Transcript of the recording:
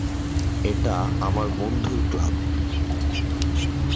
এটা আমার বন্ধুর ক্লাব।